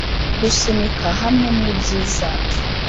gusunika hamwe ni byiza